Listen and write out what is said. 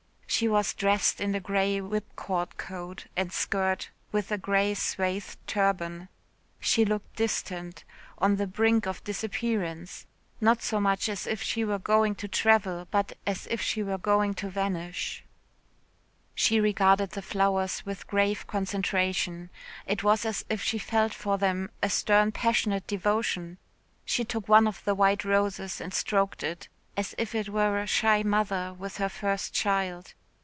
She was dressed in a grey whipcord coat and skirt with a grey swathed turban. She looked distant on the brink of disappearance not so much as if she were going to travel but as if she were going to vanish. She regarded the flowers with grave concentration. It was as if she felt for them a stern passionate devotion. She took one of the white roses and stroked it as if it were a shy mother with her first child.